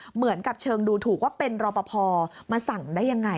เหมือนกับเชิงดูถูกว่าเป็นรอปภมาสั่งได้ยังไง